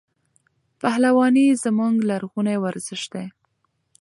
پهلواني زموږ لرغونی ورزش دی.